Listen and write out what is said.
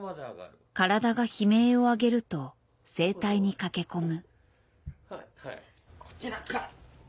体が悲鳴をあげると整体に駆け込む。